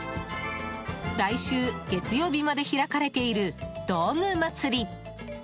来週月曜日まで開かれている道具まつり。